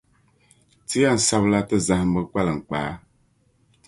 Ti yɛn sabi la ti zahimbu kpalinkpaa.